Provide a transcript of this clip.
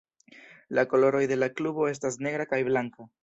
La koloroj de la klubo estas negra kaj blanka.